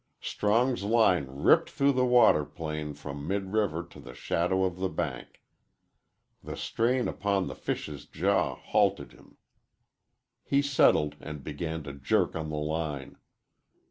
Strong's line ripped through the water plane from mid river to the shadow of the bank. The strain upon the fish's jaw halted him. He settled and began to jerk on the line.